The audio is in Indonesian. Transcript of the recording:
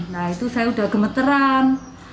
nah itu saya udah gemeteran